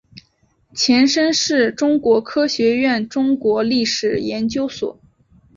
前身是中国科学院中国历史研究所。